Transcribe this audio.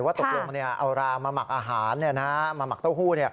ตกลงเอารามาหมักอาหารมาหมักเต้าหู้